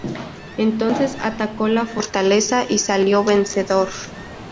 Entonces, atacó la fortaleza y salió vencedor.